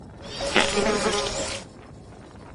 Эргышт!..